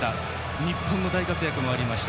日本の大活躍もありました。